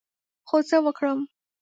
خو څه وکړم ؟